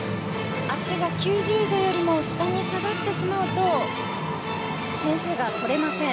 足が９０度よりも下に下がってしまうと点数が取れません。